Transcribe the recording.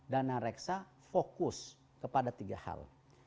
dana reksa fokus kepada tiga hal